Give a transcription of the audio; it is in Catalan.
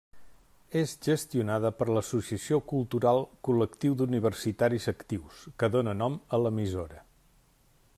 És gestionada per l'associació cultural Col·lectiu d'Universitaris Actius, que dóna nom a l'emissora.